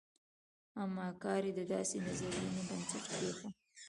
اما کار یې د داسې نظریو بنسټ کېښود.